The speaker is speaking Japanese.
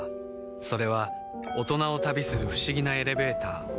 それは大人を旅する不思議なエレベーター